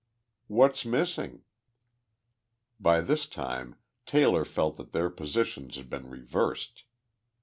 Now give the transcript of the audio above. "What's missing?" By this time Taylor felt that their positions had been reversed.